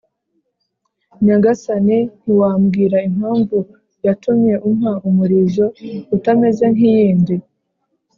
nyagasani, ntiwambwira impamvu yatumye umpa umulizo utameze nk'iyindi ?